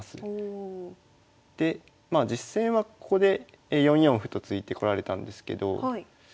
で実戦はここで４四歩と突いてこられたんですけど。